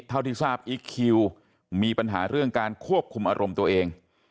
เท่าที่ทราบอีคคิวมีปัญหาเรื่องการควบคุมอารมณ์ตัวเอง